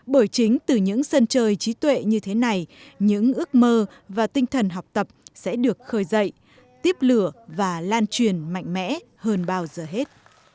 bởi chính từ những sân chơi trí tuệ như thế này những ước mơ và tinh thần học tập sẽ được khơi dậy tiếp lửa và lan truyền mạnh mẽ hơn bao giờ hết